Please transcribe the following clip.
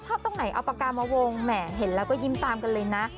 ตรงไหนเอาปากกามาวงแหมเห็นแล้วก็ยิ้มตามกันเลยนะ